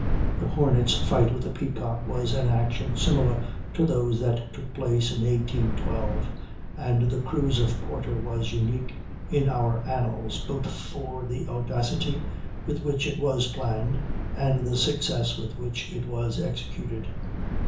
The Hornet's fight with the Peacock was an action similar to those that took place in 1812, and the cruise of Porter was unique in our annals, both for the audacity with which it was planned, and the success with which it was executed.